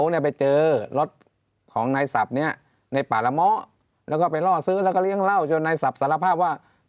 แล้วก็ไปล่อซืลก็เรียกเล่าจนนายทรัพย์สารภาพว่า